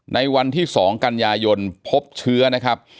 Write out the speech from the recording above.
ในวันที่๒กันยายนพบเชื้อนะครับ